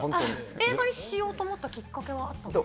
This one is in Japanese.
映画にしようと思ったきっかけはあったんですか？